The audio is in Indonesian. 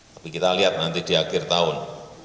tapi kita lihat nanti di akhir tahun